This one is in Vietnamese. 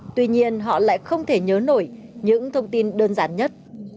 tuy nhiên họ lại không thể nhớ nổi những thông tin đơn giản nhất